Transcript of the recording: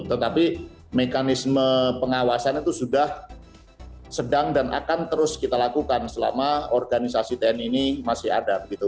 tetapi mekanisme pengawasan itu sudah sedang dan akan terus kita lakukan selama organisasi tni ini masih ada